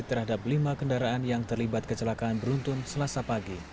terhadap lima kendaraan yang terlibat kecelakaan beruntun selasa pagi